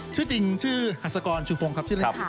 ชื่อจริงชื่อหัสกรชื่อฟงครับ